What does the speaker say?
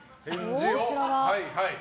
こちらは？